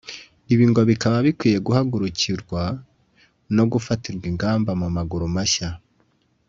ibi ngo bikaba bikwiye guhagurukirwa no gufatirwa ingamba mu maguru mashya